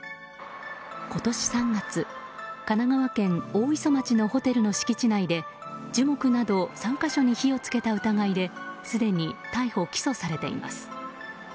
今年３月、神奈川県大磯町のホテルの敷地内で樹木など３か所に火を付けた疑いですでに逮捕・起訴されています。